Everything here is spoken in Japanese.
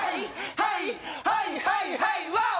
はいはいはいはいワオ！